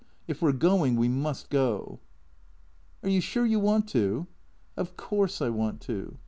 If we 're going we must go." " Are you sure you want to ?"" Of course I want to."